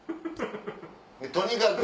とにかく。